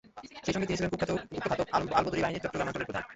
সেই সঙ্গে তিনি ছিলেন কুখ্যাত গুপ্তঘাতক আলবদর বাহিনীর চট্টগ্রাম অঞ্চলের প্রধান।